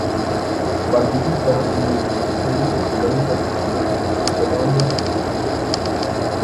Participa en la Organización del Festival Internacional de Cajón Peruano, en Lima, Perú.